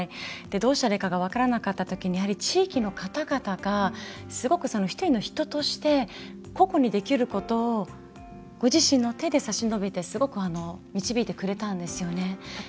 どうしたらいいかが分からなかった時にやはり地域の方々がすごく一人の人として個々にできることをご自身の手で差し伸べてすごく導いてくれたんですよね。